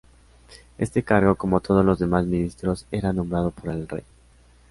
Este cargo, como todos los demás ministros, era nombrado por el Rey.